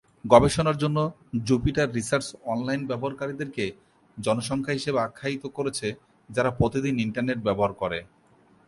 গবেষণার জন্য Jupiter research online ব্যবহারকারীদের কে জনসংখ্যা হিসেবে আখ্যায়িত করেছে যারা প্রতিদিন ইন্টারনেট ব্যবহার করে।